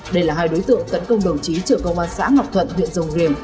đây là hai đối tượng tấn công đồng chí chở công an xã ngọc thuận huyện rồng riềng